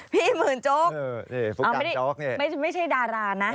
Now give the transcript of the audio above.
หมื่นโจ๊กไม่ใช่ดารานะ